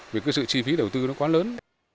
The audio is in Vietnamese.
vì cái sự chi phí đầu tư nó quá lớn